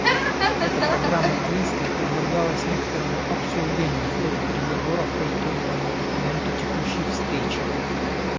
Эта Программа действий подверглась некоторому обсуждению в ходе переговоров по итоговому документу текущей встречи.